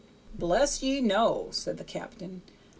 "Bless ye! no," said the captain.